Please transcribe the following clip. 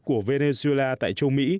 của venezuela tại châu mỹ